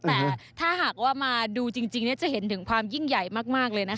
แต่ถ้าหากว่ามาดูจริงจะเห็นถึงความยิ่งใหญ่มากเลยนะคะ